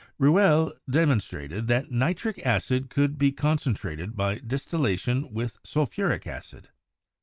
Rouelle demonstrated that nitric acid could be concen trated by distillation with sulphuric acid.